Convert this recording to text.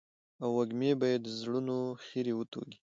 او وږمې به يې د زړونو خيري وتوږي.